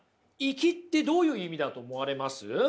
いきってどういう意味だと思われます？